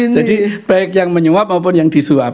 jadi baik yang menyuap maupun yang disuap